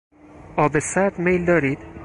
آب سرد میل دارید؟